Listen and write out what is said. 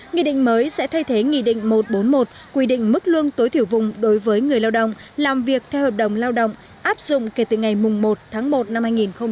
nghị định mới sẽ thay thế nghị định một trăm bốn mươi một quy định mức lương tối thiểu vùng đối với người lao động làm việc theo hợp đồng lao động áp dụng kể từ ngày một tháng một năm hai nghìn hai mươi